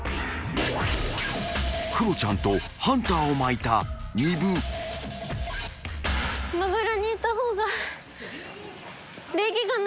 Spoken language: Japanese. ［クロちゃんとハンターをまいた丹生］